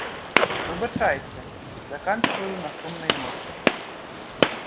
Выбачайце, заканчваю на сумнай ноце.